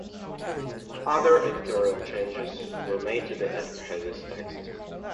Other editorial changes were made to the Atrahasis text.